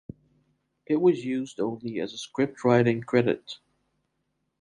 It was used only as a scriptwriting credit.